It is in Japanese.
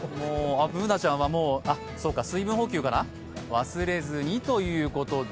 Ｂｏｏｎａちゃんは水分補給かな忘れずにということで。